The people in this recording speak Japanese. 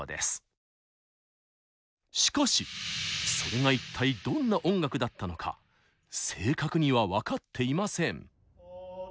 しかしそれが一体どんな音楽だったのか正確には分かっていません。